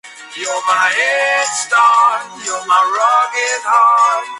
La actividad principal es la industria pesquera y la construcción naval.